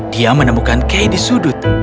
dia menemukan kay di sudut